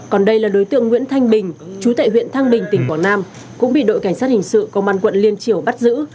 còn đây là đối tượng nguyễn thanh bình chú tại huyện thăng bình tỉnh quảng nam cũng bị đội cảnh sát hình sự công an quận liên triều bắt giữ